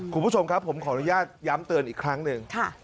คุณผู้ชมครับผมขออนุญาตย้ำเตือนอีกครั้งหนึ่ง